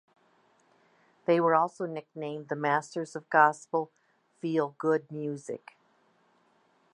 They were also nicknamed the masters of gospel "feel-good music".